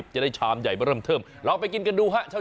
จะได้ชามใหญ่มาเริ่มเทิมลองไปกินกันดูฮะ